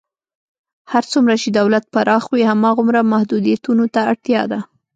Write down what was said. هر څومره چې دولت پراخ وي، هماغومره محدودیتونو ته اړتیا ده.